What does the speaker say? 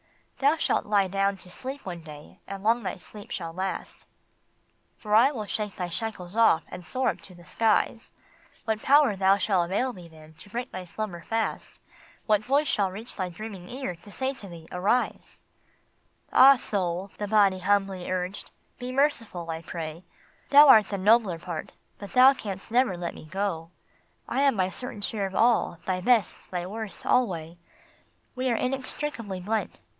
"Thou shalt lie down to sleep one day, and long that sleep shall last, For I will shake thy shackles off and soar up to the skies ; What power shall avail thee then to break thy slumber fast? What voice shall reach thy dreaming ear, to say to thee, Arise ?" 244 SOUL AND BODY. " Ah, Soul !" the Body humbly urged, " be merciful, I pray; Thou art the nobler part, but thou canst never let me go. I have my certain share of all, thy best, thy worst, alway : We are inextricably blent.